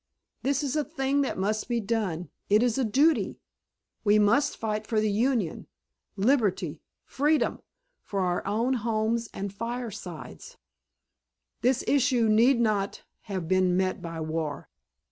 This is a thing that must be done. It is a duty. We must fight for the Union—liberty—freedom—for our own homes and firesides." "This issue need not have been met by war.